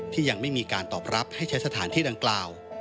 ที่ยังไม่มีการตอบรับให้ใช้สถานที่ดังกล่าว